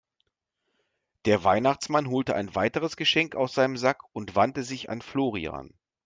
Der Weihnachtsmann holte ein weiteres Geschenk aus seinem Sack und wandte sich an Florian.